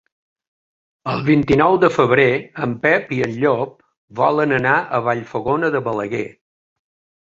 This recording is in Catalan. El vint-i-nou de febrer en Pep i en Llop volen anar a Vallfogona de Balaguer.